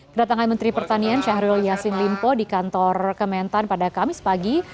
kedatangan menteri pertanian syahrul yassin limpo di kantor kementan pada kamis pagi